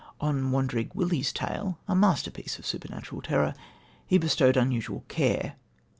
On Wandering Willie's Tale a masterpiece of supernatural terror he bestowed unusual care.